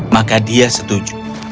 maka dia setuju